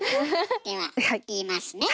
では言いますね。